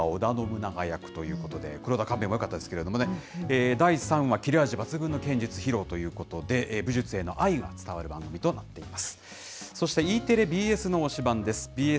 武蔵に勝ったといわれる武術岡田さん、現在、大河ドラマでは織田信長役ということで、黒田官兵衛もよかったですけれどもね、第３話、切れ味抜群の剣術披露ということで、武術への愛が伝わる番組となっています。